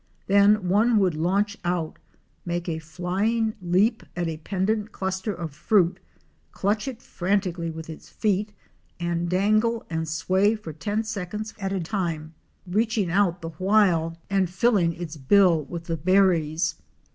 Then one would launch out, make a flying leap at a pendent cluster of fruit, clutch it frantically with its feet, and dangle and sway for ten seconds at a time — reaching out the while and filling its bill with 328 OUR SEARCH FOR A WILDERNESS. the berries.